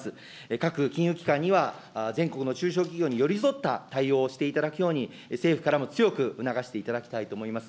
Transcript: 各金融機関には、全国の中小企業に寄り添った対応をしていただくように、政府からも強く促していただきたいと思います。